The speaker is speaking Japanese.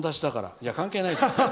いや、関係ないから。